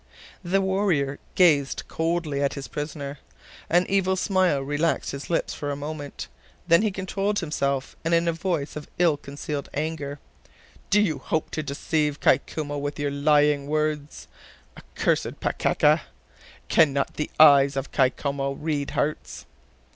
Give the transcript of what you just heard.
The warrior gazed coldly at his prisoner. An evil smile relaxed his lips for a moment; then he controlled himself, and in a voice of ill concealed anger: "Do you hope to deceive Kai Koumou with lying words, accursed Pakeka? Can not the eyes of Kai Koumou read hearts?"